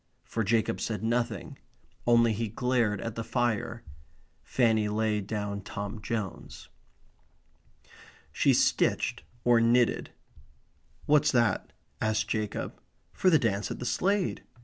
For Jacob said nothing. Only he glared at the fire. Fanny laid down Tom Jones. She stitched or knitted. "What's that?" asked Jacob. "For the dance at the Slade."